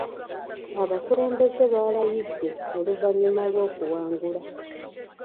Abakulembeze baalayidde oluvannyuma lw'okuwangula.